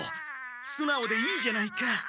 すなおでいいじゃないか。